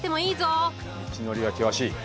道のりは険しい。